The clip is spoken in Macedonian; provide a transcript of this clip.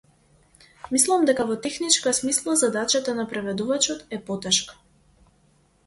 Мислам дека во техничка смисла задачата на преведувачот е потешка.